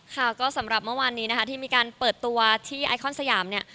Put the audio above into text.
ค่ะก็สำหรับเมื่อวานนี้นะคะที่มีการเปิดตัวที่ไอคอนสยามเนี่ย